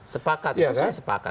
sepakat itu saya sepakat